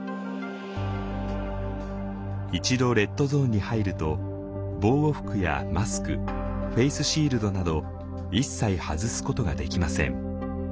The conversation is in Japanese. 一度レッドゾーンに入ると防護服やマスクフェースシールドなど一切外すことができません。